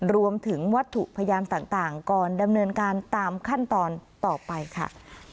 รวมถึงวัตถุพยานต่างก่อนดำเนินการตามขั้นตอนต่อไปค่ะ